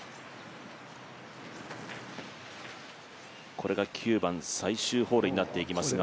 これが９番最終ホールになっていきますが。